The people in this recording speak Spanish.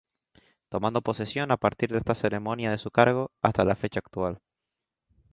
Tomando posesión a partir de esta ceremonia de su cargo, hasta la fecha actual.